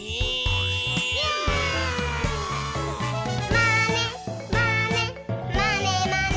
「まねまねまねまね」